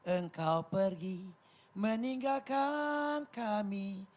engkau pergi meninggalkan kami